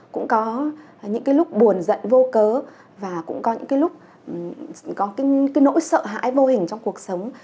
cũng có những cái lúc buồn giận vô cớ và cũng có những cái lúc có cái nỗi sợ hãi vô hình trong cuộc sống